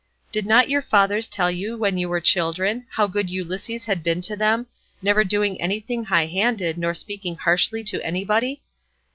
Did not your fathers tell you when you were children, how good Ulysses had been to them—never doing anything high handed, nor speaking harshly to anybody?